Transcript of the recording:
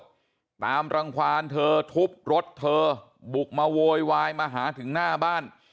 ตามรังความเธอทุบรถเธอบุกมาโวยวายมาหาถึงหน้าบ้าน